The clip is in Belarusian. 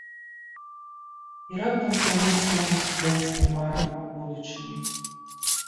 І раптам канец маім студэнцкім марам аб будучыні.